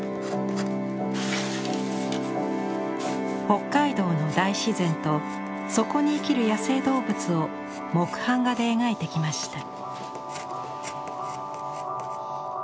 北海道の大自然とそこに生きる野生動物を木版画で描いてきました。